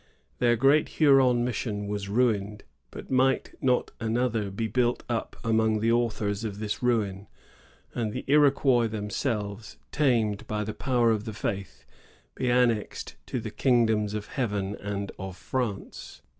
Their great Huron nussion was ruined; but might not another be built up among the authors of this ruin, and the Iroquois themselves, tamed by the power of the Faith, be annexed to tiie kingdoms of Heaven and of France